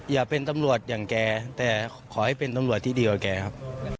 อย่าเป็นตำรวจอย่างแกแต่ขอให้เป็นตำรวจที่ดีกว่าแกครับ